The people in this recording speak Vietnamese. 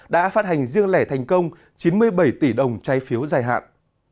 đã phát hành riêng lẻ thành công chín mươi bảy tỷ đồng trái phiếu dài hạn